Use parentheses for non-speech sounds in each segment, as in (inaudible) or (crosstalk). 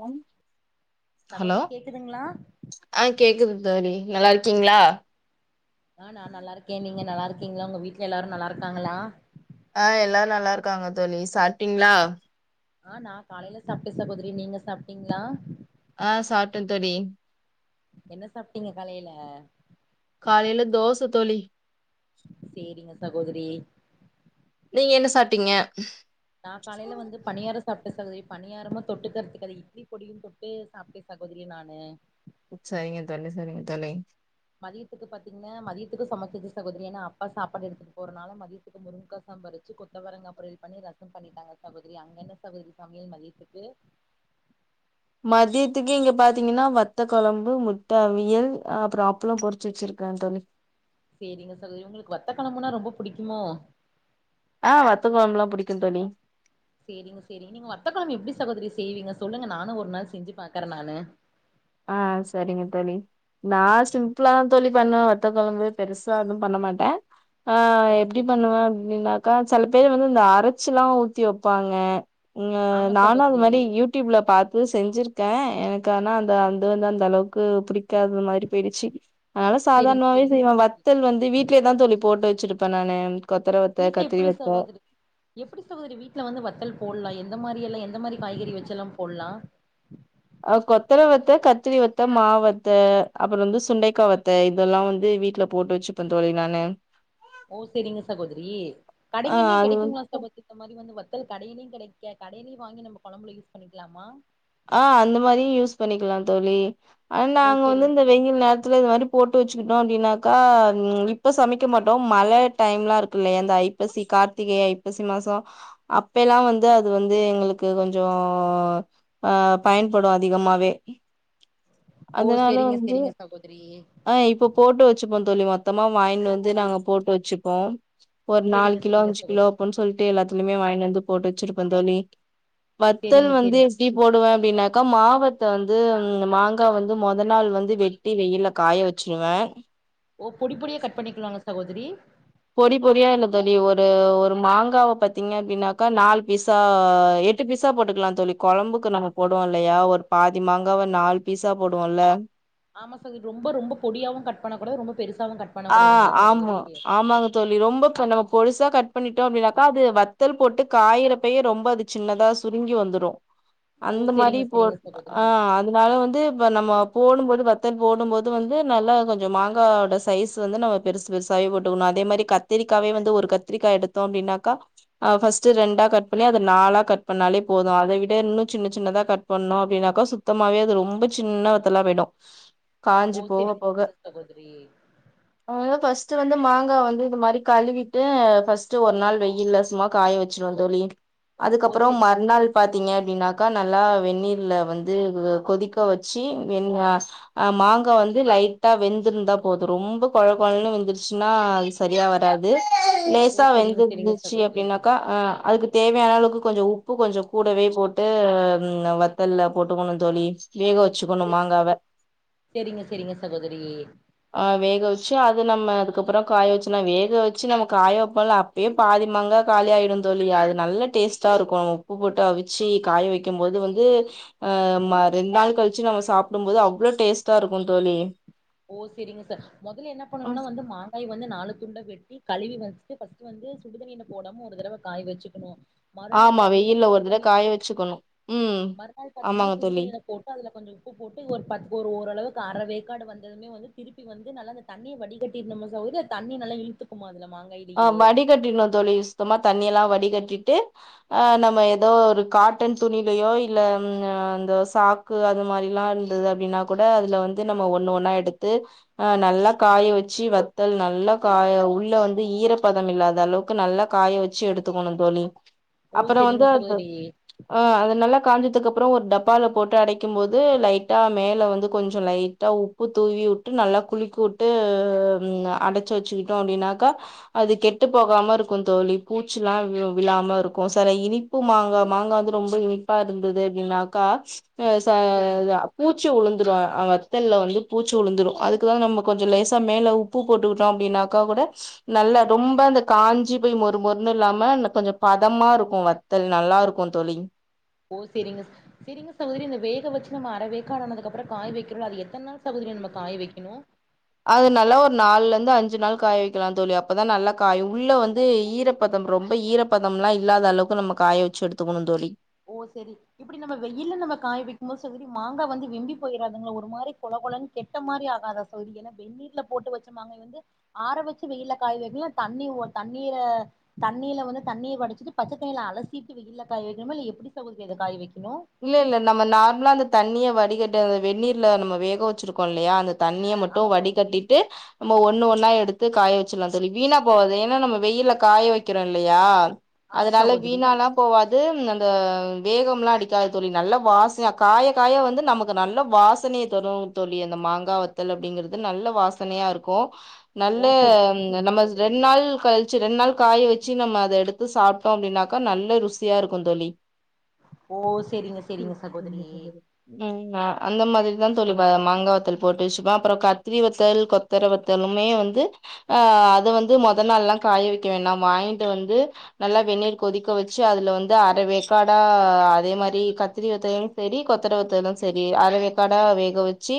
ம் ஹலோ சகோதரி கேக்குதுங்ளா ஆ கேக்குது தோழி நல்லாருக்கீங்ளா ஆ நா நல்லாருக்கே நீங்க நல்லாருக்கீங்ளா உங்க வீட்ல எல்லாரு நல்லாருக்காங்களா ஆ எல்லாரு நல்லாருக்காங்க தோழி சாப்ட்டீங்ளா அ நா காலைலே சாப்ட்டே சகோதரி நீங்க சாப்ட்டீங்ளா அ சாப்ட்டே தோழி என்ன சாப்ட்டீங்க காலைல காலைல தோச தோழி சேரிங்க சகோதரி நீங்க என்ன சாப்ட்டீங்க நா காலைல வந்து பணியாரம் சாப்ட்டே சகோதரி பணியாரமு தொட்டுக்கிறதுக்கு இட்லி பொடியு தொட்டு ம் சாப்ட்டே சகோதரி நானு செரிங்க தோழி செரிங்க தோழி மதியத்துக்கு பாத்தீங்கன்னா மதியத்துக்கு சமச்சாசு சகோதரி ஏனா அப்பாக்கு சாப்பாடு எடுத்துட்டு போறனால மதிய க்கு முருங்கக்கா சாம்பார் வச்சு கொத்தவரங்காய பொரியல் பண்ணி ரசம் பண்ணிட்டாங்க சகோதரி அங்க என்ன சகோதரி சமையல் மதியத்துக்கு மதியத்துக்கு இங்க பாத்தீங்கன்னா வத்த கொழம்பு முட்டா அவியல் அப்றோ அப்பளோ பொறிச்சு வச்சிருக்கறே தோழி சேரிங்க தோழி உங்களுக்கு வத்த கொழம்புனா ரொம்ப புடிக்குமோ ஆ வத்த கொழம்புல்லா பிடிக்கும் தோழி சேரிங்க சேரிங்க நீங்க வத்த கொழம்பு எப்டி சகோதரி செய்வீங்க சொல்லுங்க நானு ஒரு நாள் செஞ்சு பாக்கறே நானு அ செரிங்க தோழி நா சிம்பிளான் தோழி பண்ணுவே வத்த கொழம்பு பெருசா எதுவு பண்ண மாட்டே ஆ ஓ எப்டி செரி பண்ணுவே அப்டின்னாக்கா சில பேர் வந்து இந்த அரச்சுல்லா ஊத்தி வப்பாங்க உ ஆமா நானு அது சகோதரி மாதிரி யூ டியூப்ல பாத்து செஞ்சிருக்கே எனக்கு ஆனா அது வந்து அந்த அளவுக்கு பிடிக்காத மாரி போய்டுச்சு அதனால செரிங்க சாதாரணமாவே செரிங்க செய்வே சகோதரி வத்தல் வந்து வீட்லேதா தோழி போட்டு வச்சிருப்பே நானு கொத்தர வத்த வீட்ல கத்திரி எப்டி வத்த சகோதரி எப்டி சகோதரி வீட்ல வந்து வத்தல் போடலா எந்த மாரி எல்லா எந்த மாரி காய்கறி வச்சில்லா போட்லா அ கொத்தர வத்த கத்திரி வத்த மா வத்த அப்றோ வந்து சுண்டைக்கா வத்த இதெல்லா வந்து வீட்ல போட்டு வச்சுப்பே தோழி நானு ஓ சேரிங்க சகோதரி ஆ கடைங்களயு அது வந்து கெடைக்குங்களா சகோ இந்த மாரி வந்து வத்தல் கடையிலயு கிடைக்க கடையிலயு வாங்கி நம்ம கொழம்புல யூஸ் பண்ணிக்கலாமா அ அந்த மாரியு யூஸ் பண்ணிக்கலா தோழி ஆனா ஓ நாங்க வந்து செரிங்க இந்த வெயில் நேரத்தில இது மாரி போட்டு வச்சுக்கிட்டோ அப்டின்னாக்கா இப்ப சமைக்க மாட்டோ மழ டைம் லா இருக்கு இல்லையா அந்த ஐப்பசி கார்த்திகை ஐப்பசி மாசோ அப்ப எல்லா வந்து அது வந்து எங்களுக்கு கொஞ்சோ அ பயன்படு அதிகமாவே ஓ செரிங்க செரிங்க சகோதிரி அ இப்போ போட்டு வச்சுப்போ தோழி மொத்தமா வாங்கின்டு வந்து நாங்க போட்டு வச்சுப்போ ஒரு நாலு செரிங்க கிலோ செரிங்க அஞ்சு கிலோ சகோதரி அப்பனு சொல்லிட் டு எல்லாத்தலயுமே வாங்கிட்டு வந்து போட்டு வச்சிருப்பே தோழி வத்தல் செரிங்க வந்து செரிங்க சுட்டி போடுவே அப்படின்னாக்கா மாவத்த வந்து மாங்கா வந்து மொத நாள் வந்து வெட் வெட்டி வெயில காய வச்சுருவே ஓ பொடி பொடியா கட் பண்ணிக்கவாங்க சகோதரி பொடி பொடியா இல்ல தோழி ஒரு ஒரு மாங்காவ பாத்தீங்கனா அப்படின்னாக்கா நாலு பீஸா எ எட்டு பீஸா போட்டுக்கலா தோழி கொழம்புக்கு நம்ம போவோ இல்லையா ஒரு பாதி மாங்காவ நாலு பீஸா போடுவோல்ல ஆமா சகோதரி ரொ ரொம்ப பொடியாவு கட் பண்ண கூடா ரொம்ப பெருசாவு கட் ஆ பண்ணக்கூடாதுங்களா ஆமா சகோதரி ஆமாங்க தோழி ரொம்ப நம்ம பொடுசா கட் பண்ணிட்டோ அப்டின்னாக்கா அது வத்தல் போட்டு காயறப்பைய ரொம்ப அது சின்னதா சுருங்கி வந்துரு ஓ அந்த மாரி செரிங்க போ செரிங்க ஆ சகோதரி இதனால வந்து இப்ப நம்ம போடும்போது வத்தல் போடும் போது வந்து நல்லா கொஞ்ச மாங்காயோட சைஸ் வந்து நம்ம பெருசு பெருசாவே போட்டுக்கணு அதே மாரி கத்திரிக்காவே வந்து ஒரு கத்திரிக்கா எடுத்தோ அப்டின்னாக்கா அ ஃபர்ஸ்ட்டு ரெண்டா கட் பண்ணி அத நாளா கட் பண்ணாலே போது அத விட இன்னு சின்ன சின்னதா கட் பண்ணோ அப்டின்னாக்கா சுத்தமாவே அது ரொம்ப சின்ன வத்தெல்லா போயிடு ஓ காஞ்சு செரிங்க செரிங்க சகோதிரி அதா ஃபர்ஸ்ட்டு வந்து மாங்காவ வந்து இதுமாரி கழுவிட்டு ஃபர்ஸ்ட்டு ஒரு நாள் வெயில்ல சும்மா காய வச் வச்சோ தோழி ஓ அதுக்கப்பறோ செ மறுநாள் பாத்தீங்க அப்டினாக்கா நல்லா வென்நீர்ல வந்து கொதிக்க வச்சு வென் அ மாங்கா வந்து லைட்டா வெந்துருந்தா போது ரொம்ப கொழ கொழன்னு வந்துருச்சின்னா அது சரியா வராது ஓ லேசா செரிங்க செரிங்க வெந்துருந்துச்சு சகோதரி அப்டின்னாக்கா அ அதுக்கு தேவையான அளவுக்கு கொஞ்சோ உப்பு கொஞ்சோ கூடவே போட்டு வத்தல்ல போட்டுக்கணு தோழி வேக வச் வச்சுக்கணு ஓ மாங்காவ செரிங்க செரிங்க சகோதரி ஆ வேக வச் வச்சு அது நம்ம அதுக்கப்பரோ காய வச்சனோ வேக வச்சி நம்ம காய வப்போல அப்டியே பாதி மங்கா காலி ஆயிடு தோழி அது நல்ல டேஸ்ட்டா இருக்கு உப்பு போட்டு அவிச்சி காய வக் வக்கிக்கு போது வந்து அ ரெண்டு நாள் கழிச்சு நம்ம சாப்டு போது அவ்ளோ டேஸ்ட்டா இருக்கு தோழி ஓ செரிங்க சார் முதல்ல என்ன பண்ணணுனா வந்து மா மாங்காய வந்து நாலு துண்டா வெட்டி கழுவி வச்சிட்டு பஸ்ட்டு வந்து சுடுதண்ணீல போடாம ஒரு தடவ காய வச்சுக்கணு மறுநாள் ஆமா பாத்தீங்கன்னா வெயில்ல ஒரு தட சுடுதண்ணில காய வச்சுக்கணு ம் மறுநாள் பாத்தீங்கன்னா ஆமாங்க தோழி சுடுதண்ணில போட் அதுல கொஞ்சோ உப்பு போட்டு ஒரு பத்து ஓரளவுக்கு அர வேக்காடு வந் வெந்ததுமே வந்து திருப்பி வந்து நல்லா தண்ணிய வடிக்கட்டுபோது தண்ணி நல்லா இழுத்துக்குமா அதுல மாங்காய் ஆ வடிகட்டிறணு தோழி சுத்தமா தண்ணி எல்லா வடிகட்டிட்டு ஆ நம்ம எதோ ஒரு காட்டன் துணிலையோ இல்ல அந்த சாஃப்ட் க்கு அது மாரி எல்லா இருந்தது அப்டின்னா கூட அதுல வந்து நம்ம ஒன்னு ஒன்னா எடுத்து அ நல்லா காய வச்சு வத்தல் நல்லா காய உள்ள வந்து ஈரப்பதம் இல்லாத அளவுக்கு நல்லா காய வச்சு எடுத்துக்கணு தோழி ஓ அப்பறோ வந்து செரிங்க அது சகோதரி ஆ அது நல்லா காஞ்சதுக்கு அப்றோ ஒரு டப்பால போட்டு அடைக்கு போது லைட்டா மேல வந்து கொஞ்சோ லைட்டா உப் உப்பு தூவி வுட்டு நல்லா குலுக்கிவுட்டு அடச்சு வச்சுக்கிட்டோ அப்டின்னாக்கா அது கெட்டு போகாம இருக்கும் தோழி பூச்சி ல்லா விழாம இருக்கும் சில இனி உப்பு மாங்கா மாங்கா வந்து ரொம்ப இனிப்பா இருந்தது அப்டின்னாக்கா சா செரிங் இது பூச்சி உழுந்துரும் ஹ வத்தல வந்து பூச்சி உழுந்துரும் அதுக்குதா நம்ம கொஞ்ச லேசா மேலஉப் பு போட்டுக்கிட்டோ அப்டின்னாக்கா கூட நல்ல ரொம்ப அந்த காஞ்சி போய் மொறு மொறுன்னு இல்லாம கொஞ்ச பதமா இருக்கும் வத் தல் நல்லா இருக்கும் தோழி ஓ சேரிங்க சே சேரிங்க சகோதரி இந்த வேக வச்சு நம்ம அறவேக்காடு ஆனதுக்கப்பறம் காய வக்கிறோல அது எத்தன நாள் சகோதரி நம்ம காய வக்கணும் அது நல்லா ஒரு நாலுல இருந்து அஞ்சு நாள் காய வைக்கலா தோழி அப்பதா நல்லா காயு உள்ள வந்து ஈர பதம் ரொம்ப ஈரப்பதம் லா இல்லாத அளவுக்கு நம்ம காய வச்சி எடுத்துக்கணு தோழி ஓ செரி இப்டி நம்ம வெயில்ல நம்ம காய வக்கும் போது சரி மாங்கா வந்து வெம்பி போயிடதுங்கலா ஒரு மா கொழ கொழன்னு கெட்ட மாரி ஆகாதா சகோதரி ஏனா வெநீர்ல போட்டு வச்ச மாங்கா வந்து ஆற வச்சி வெயில காய வைக்கனுமா தண்ணி தண்ணீல தண்ணியில வந்து தண்ணிய வடிச்சிட்டு பச்ச தண்ணியில அலசிட்டு வெயில காய வக்கணுமா இல்ல எப்டி சகோதரி காய வைக்கணும் இல்ல இல்ல நம்ம நார்மலா அந்த தண்ணிய வடிகட்டு அந்த வெநீர்ல நம்ம வேக வச்சிருக்கோ இல்லையா அந்த தண்ணிய மட்டு ஆமா சகோதரி வடிகட்டிட்டு நம்ம ஒன்னு ஒன்னா எடுத்து காய வச்சிரலா தோழி வீணா போவாது ஏனா நம்ம வெயில்ல காய வக்கிறோ இல்லையா ஆமா அதனால சகோதரி வீணாலா போவாது அந்த வேகம் எல்லா அடி காயத்தோழி நல்ல வாச காய காய வந்து நமக்கு நல்ல வாசனைையை தரும் தோழி அந்த மாங்காவ தல் அப்படிங்கறிறது நல்ல வாசனையா இருக்கும் ஓ நல்ல செரி செரிங்க நம்ம சகோதரி ரெண்டு நாள் கழச்ச சரி ரெண்டு நாள் காய வச்சு நம்ம அதை எடுத்து சாப்பிட்டோம் அப்படின்னாக்கா நல்ல ருசியா இருக்கும் தோழி ஓ சரிங்க ச உ ஹம் அந்த மாதிரிதான் தோழி மாங்காய் வத்தல் போட்டு வச்சுப்பன் அப்புறம் கத்திரி வத்தல் உத்தர வத்தலுமே வந்து ஆஹ் அதை வந்து முதல் நாள் எல்லாம் காய வைக்க வேண்டாம் வாங்கிட்டு வந்து நல்லா வெநீர் கொதிக்க வச்சு அதுல வந்து அரைவேக்காடா அதே மாதிரி சரி கத்திரி வத்தலும் பெரிய கொத்தர வத்தலும் சரி கொத்தரை வத்ததுலும் சரி அளவேக்காடா வேக வச்சு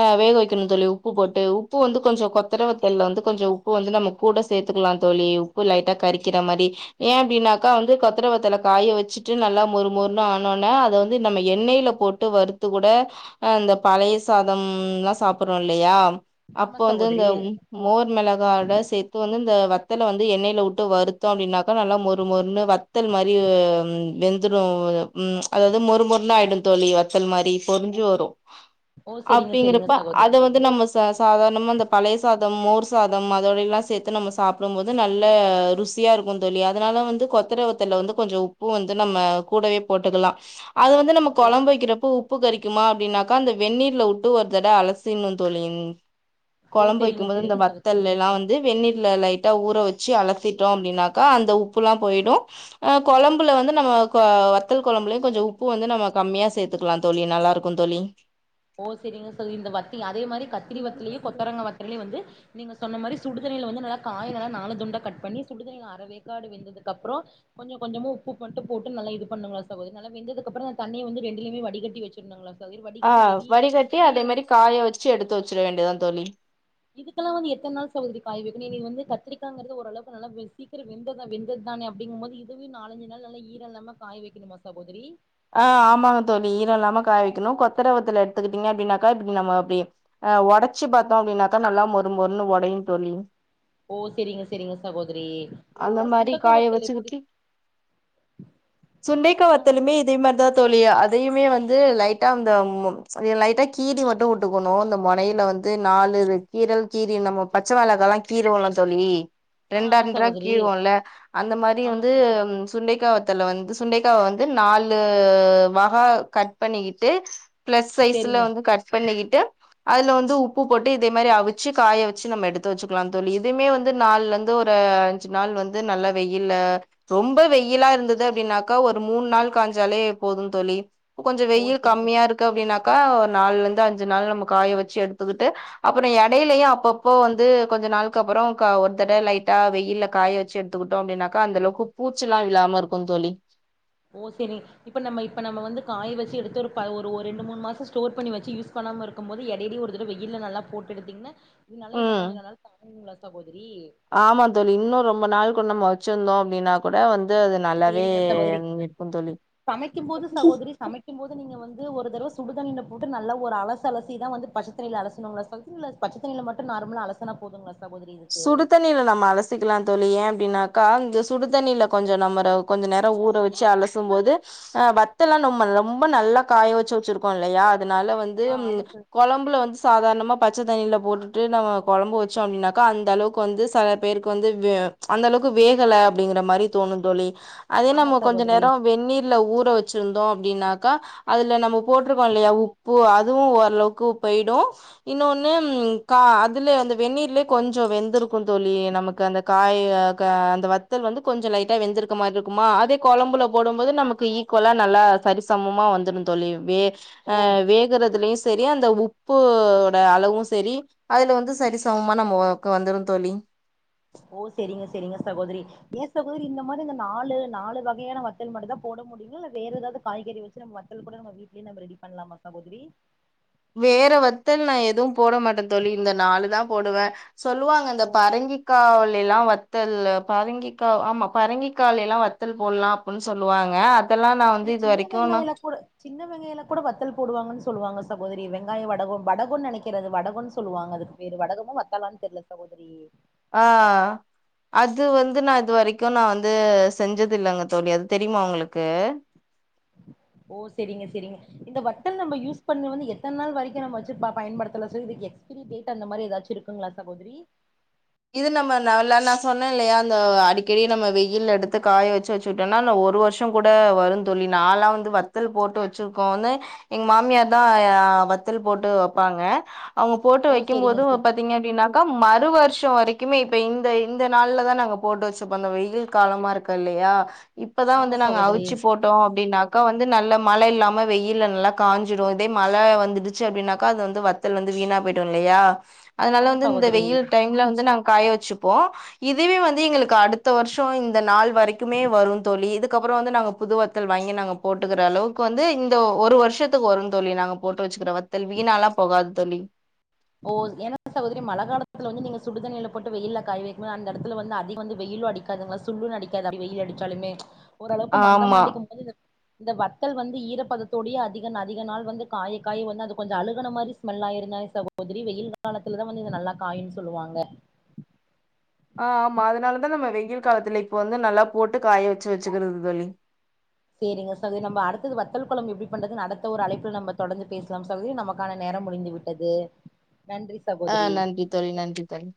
ஆஹ் வேக வைக்கணும்னு தோழி உப்பு போட்டு உப்பு வந்து கொஞ்சம் கொத்தரவை தெல்ல வந்து கொஞ்சம் உப்பு வந்து நமக்கு கூட சேர்த்துக்கலாம் தோழி உப்பு லைட்டா கறிக்கிற மாதிரி ஏன் அப்படனாக்கா வந்து கொத்தர வத்தல காய வச்சுட்டு நல்லா மொறு மொரு பா ஆனோனே அதை வந்து நம்ம எண்ணெய்ல போட்டு வருறுத்து கூட ஹ் இந்த த பழைய சாதம்ல்லாம் சாப்பிடுறோம் இல்லையா ஆமா அப்போ வந்து இந்த சகோதரி மோர் மிளகாயோட சேத்து வந்து இந்த வத்தல வந்து எண்ணெயில விட்டு வருத்தம் அப்படின்னாக்கா நல்லா மொறு மொருன்னு வத் த்தல் மரியே வெந்தரும் உம் அதாவது மொறு மொருலா ஆயிட தோழி வத்தல் மாதிரி பொரிஞ்சு வரும் ஓ செரிங்க செரிங்க அப்படிங்கறப்ப அத சகோதரி வந்து நம்ம சாதாரணமா இந்த பழைய சாதம் மோர் சாதம் அதோடெல்லாம் சேர்த்து நம்ம சாப்பிடும்போது நல்ல ருசி இருக்கும் தோழி அதனால வந்து கொத்தரவத்தல வந்து கொஞ்சம் உப்பும் வந்து நம்ம கூடவே போட்டுக்கலாம் அது வந்து நம்ம ஓ குழம்பு வைக்கிறப்ப உ உப்பு கறிக்குமா அப்படின்னாக்கா அந்த வெநீர்ல விட்டு ஒரு தட அலசிர்ன்னும் தோழி ஓ குழம்பு செரிங்க வைக்கும்போது இந்த செரிங்க வத்தல் சகோதரி எல்லாம் வந்து வெநண்ணில்ல லைட்டா ஊற வச்சு அலத்திட்டோம் அப்படின்னாக்கா அந்த உப்பு எல்லாம் போயிடும் கொழம்புல வந்து நம்ம க வத் தல் குழம்பலேயும் கொஞ்ச உப்பு வந்து நம்ம கம்மியா சேர்த்துலாம் தழி நல்லா இருக்கும் தோழி ஓ செரிங்க செரி இந்த வத்தி அதே மாரி கத்திரி வத்தலயு கொத்தரங்க வத்தலையு வந்து நீங்க சொன்ன மாரி சுடுதண்ணியில வந்து நல்லா காய் நல்லா நாலு துண்டா கட் பண்ணி சுடுதண்ணியில அறவேக்காடு வெந்ததுக்கு அப்புறோ கொஞ்ச கொஞ்சமா உப்பு மட்டு போட்டு நல்லா இது பண்ணுங்களா சகோதரி நல்லா வெந்ததுக்ப்புறோ தண்ணிய வந்து ரெண்டுலயுமே வடிகட்டி வச் சுன்னுங்களா சகோரி ஆ வடிகட்டி அதே மாரி காய வச்சு எடுத்து வச்சிட வேண்டியதா தோழி இதுக்கல்லா வந்து எத்தன் நாள் சகோதரி காய் வைக்கனு இன்னைக் வந்து கத்திரிக்காங்கிறது ஓரளவுக்கு நல்ல சீக்கிர வெந்ததா வெந்ததுதான அப்டிங்கும் போது இதுவே நாலஞ்சு நாள் நல்ல ஈரோ இல்லாம காய வைக்கணுமா சகோதரி ஆ ஆமாங்க தோழி ஈரோ இல்லாம காய வைக்கணு கொத்தரவத்தல எடுத்துக்கிட்டீங்க அப்டின்னாக்கா இப்ப நம்ம அப்டே அ ஒடைச்சி பாத்தோ அப்டின்னாக்கா நல்லா மொறு மொறுன்னு ஒடையு தோழி ஓ செரிங்க செரிங்க சகோதரி அந்த அப்பறோ மாரி சுண்டக்கா காய வத்தல்ல எப்படி வச்சுக்கிட்டு சுண்டைகா ஆ வத்தலுமே அதே மாரிதா தோழி அதையுமே வந்து லைட்டா அந்த லைட்டா கீரி மட்டு உட்டுக்கணு இந்த மொனையில வந்து நாலு கீரல் கீரி நம்ம பச்ச வாளகால்லா கீருவோல்லா தோழி ஆ ரெண்டா ஆமா ரெண்டாற சகோதரி கீருவோம்ல அந்த மாரி ஆமா வந்து சகோதரி சுண்டைக்காவத்தல வந்து சுண்டைக்காவ வந்து நாலு வகா கட் பண்ணிக்கிட்டு பிளஸ் சைஸ்ல சேரிங்க வந்து கட் பண்ணிக்கிட்டு அதுல வந்து உப்பு போட்டு இதே மாரி அவிச்சு காய வச்சு நம்ம எடுத்து வச்சுக்கலா தோழி இதுவுமே வந்து நாலுலந் து ஒரு அஞ்சு நாள் வந்து நல்லா வெயில்ல ரொம்ப வெயிலா இருந்தது அப்டின்னாக்கா ஒரு மூண் நாள் காஞ்சாலே போது தோழி கொஞ்சோ ஓ வெயில் சேரிங்க கம்மியா இருக்கு அப்டின்னாக்கா ஒரு நாலுல இருந்து அஞ்சு நாள் நம்ம காய வச்சு எடுத்துக்கிட்டு அப்புறோ எடையிலயு அப்பப்போ வந்து கொஞ்ச நாள்க்கப்புறோ ஒரு தட லைட்டா வெயில்ல காய வச்சு எடு த்துக்கிட்டோ அப்டின்னக்கா அந்த அளவுக்கு பூச்சில்லா இல்லாம இருக்கு தோழி ஓ சேரே இப்ப நம்ம இப்ப நம்ம வந்து காய வச்சு எடுத்து ஒரு ப ஒரு ஒரு ரெண்டு மூண் மாசோ ஸ்டோர் பண்ணி வச்சு யூஸ் பண்ணாம இரு க்கும் போது எடையிலயு ஒரு தடவ வெயில்ல நல்லா போட்டு எடுத்தீங்கன்னா இது நல்லா இன்னு ம் கொஞ்சோ நல்லாயிருக்கு தாங்குங்ளா சகோதரி ஆமா தோழி இன்னு ரொம்ப நாள்கு நம்ம வச்சிருந்தோ அப்டின்னா கூட வந்து அது நல்லாவே சேரிங்க சகோதரி இருக்கு தோழி இருக்கும் போது நீங்க வந்து ஒரு தடவ சுடுதண்ணியில போட்டு நல்லா ஒரு அலசு அலசி தா வந்து பச்சத்தண்ணில அலசுணுங்ளா ச இல்ல பச்ச தண்ணில மட்டு நார்மல அலசுனா போதுங்களா சகோதரி இதுக்கு சுடுதண்ணில நம்ம அலஸ் சிக்கலா தோழி ஏ அப்டின்னாக்கா இந்த சுடுதண்ணியில கொஞ்சோ நம்மர கொஞ்ச நேரோ ஊற வச்சு அலசும்போது ஆ வத்தல்லா நொம்ம ரொம்ப நல்லா காய வச்சு வச்சிருக்கோ இல்லையா அதனால வந் து ஆ ஆமா ச கொழம்புல வந்து சாதாரணமா பச்ச தண்ணியில போட்டுட்டு நம்ம கொழம்பு வச்சோ அப்டின்னா க்கா அந்த அளவுக்கு வந்து செல பேருக்கு வந்து அந்த அளவுக்கு வேகல அப்டிங்கற மாரி தோணு தோழி அதே ஆமா நம்ம கொஞ்ச சகோதரி நேரோ வெந்நீர்ல ஊற வச்சிருந்தோ அப்டின்னாக்கா அதுல நம்ம போட்ருக்கோ இல்லையா உப் அதுவு ஓரளவுக்கு போயிடு இன்னொன்னு கா அதுல அந்த வெநீர்லே கொஞ்சோ வெந்திருக்கு தோழி நமக்கு அந்த காய் அக அந்த வத்தல் வந்து கொஞ்சோ லைட்டா வெந்திருக் மாரி இருக்குமா அதே கொழம்புல போடும்போது நமக்கு ஈக்குவலா நல்லா சரிசமமா வெந்துரு தோழி ஓ அ வேகுறதுலயு செரி அந்த உப்போட அளவு செரி அதுல வந்து சரி சம மா நமக்கு வந்துரு தோழி ஓ செரிங்க செரிங்க சகோதரி ஏ சகோதரி இந்த மாரி இந்த நாலு நாலு வகையான வத்தல் மட்டுதா போட முடியுங்கள இல்ல வேற ஏதாவது காய்கறி வச் சு நம்ம வத்தல் கூட நம்ம வீட்லயே நம்ம ரெடி பண்லாமா சகோதரி வேற வத்தல் நா எதும் போட மாட்டே தோழி இந்த நாலு தா போடுவே சொல்லுவாங்க இந்த ஓ பரங்கி காலிலா வத்தல்லு பரங்கிக்கா ஆமா பரங்கிக்கால்லிலா வத்தல் போல்லா அப்பன் சொல்லுவாங்க அதெல்லா நா அப்பற வந்து இது சின்ன வரைக்கு நா வெங்காயல கூட சின்ன வெங்காயில கூட வத்தல் போடுவாங்கன் சொல்லுவாங்க சகோதரி வெங்காய வடகோ வடகோன் நனைக்கி இத வடகோன் சொல்லுவாங்க அதுக்கு பேரு வடகமோ வத்தாலான் தெர்ல சகோதரி ஆ அது வந்து நா இது வரைக்கு நா வந்து செஞ்சது இல்லங்க தோழி அது தெரியுமா உங்களுக்கு (inaudible) ஓ சரிங்க சரிங்க இந்த வத்தல் நம்ப யூஸ் பண்ணு வந்து எத்தன் நாள் வரைக்கு நம்ப வச்சு பா பயன்படுத்தல சொல் (unintelligible) திரி டேட்டா இந்த மாரி எதாச்சு இருக்குங்களா சகோதரி இது நம்ம நல்ல நா சொன்னே இல்லையா அந்த அடிக்கடி நம்ம வெயில் எடுத்து காய வெச்சு வெச் சுட்டோன்னா நா ஒரு வர்ஷோ கூட வருன் தோழி நால்லா வந்து வத்தல் போட்டு வச்சிருக்கோந்த எங் மாமியார் தா வத்தல் போட்டு வெப்பாங்க அவங்க போட்டு ஓ வைக்கும் செரிங்க போது செரி பாத்தீங்க அப்படின்னாக்கா மறு வருஷ் ஷோ வரைக்குமே இப்ப இந்த இந்த நாள்ல தா நாங்க போட்டு வச்சுப்போ அந்த வெயில் காலமா இருக்கு இல்லையா இப்பதா ஆமா வந்து நாங்க சகோதரி அவுச்சு போட் டோ அப்படின்னாக்கா வந்து நல்ல மழை இல்லாம வெயில் நல்லா காஞ்சிடு இதே மழ வந்துடுச்சு அப்படின்னாக்கா அது வந்து வ த்தல் வந்து வீணா போய்டு இல்லையா அதனால ஆமா வந்து இந்த சகோதரி வெயில் டைம்ல வந்து நாங் காய வச்சுப்போ இதுவே வந்து எங்களுக்கு அடுத்த வர்ஷோ இந்த நாள் வரைக்குமே வரு தோழி இதுக்கப்பறோ வந்து நாங்க புது வ த்தல் வாங்கி நாங்க போட்டுக்கிற அளவுக்கு வந்து இந்த ஒரு வருஷத்துக்கு வரு தோழி நாங்க போட்டு வச்சுக்கிற வத் தல் வீணால்லா போகாது தோழி ஓ எனக்கு சகோதரி மழ காலத்துல வந்து நீங்க சுடுதண்ணில போட்டு வெயில்ல காய வைக் போ அந்த இடத்துல வந்து அதிக வந்து வெயிலு அடி க்காதுங்லா சுல்லுனு அடிக்காது அப்டி வெயில் அடிச்சாலுமே ஓரளவுக்கு மந்தமா ஆமா அடிக்கும் போது இந்த வத்தல் வந்து ஈரப்பதத்தோடேயே அதிக நா அதிக நாள் வந்து காய காய வந்து அது கொஞ்ச அழுகன மாரி ஸ்மெல்லா ஆயிருந்தாலு ச கோதிரி வெயில் காலத்துலதா வந்து இது நல்லா காயுன் சொல்லுவாங்க ஆ ஆமா அதனாலதா நம்ம வெயில் காலத்துல இப்போ வந்து நல்லா போட்டு காய வச்சு வச்சுக்கறது தோழி சேரிங்க சகோ நம்ம அடுத்தது வத்தல் கொழம்பு எப்படி பண்றதுன் அடுத்த ஒரு அழப்பில் நம்ப தொடர்ந்து பேசலாம் சகோதரி நமக்கான நேரம் முடிந்து விட் டது நன்றி ஆ சகோதரி நன்றி தோழி நன்றி தோழி